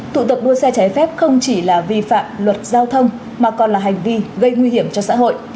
tụ tập đua xe trái phép không chỉ là vi phạm luật giao thông mà còn là hành vi gây nguy hiểm cho xã hội